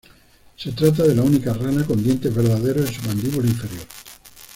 Se trata de la única rana con dientes verdaderos en su mandíbula inferior.